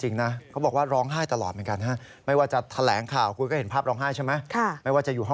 เจ้าหน้าที่ตำรวจก็พยายามดู